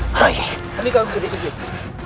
kalian lebih suntik